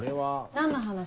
何の話？